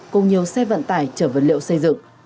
cũng nhiều xe vận tải trở vật liệu xây dựng